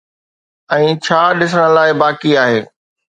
۽ ڇا ڏسڻ لاءِ باقي آهي